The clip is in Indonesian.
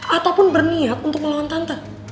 ataupun berniat untuk melawan tante